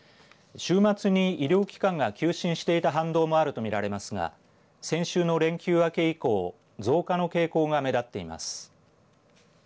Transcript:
週末に医療機関が休診していた反動もあるとみられますが先週の連休明け以降増加の傾向が目立っています。